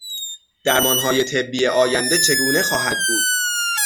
درمانهای طِبی آینده چگونه خواهد بود؟